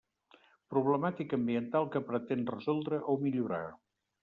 Problemàtica ambiental que pretén resoldre o millorar.